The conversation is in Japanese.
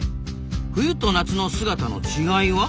「冬と夏の姿の違いは？」。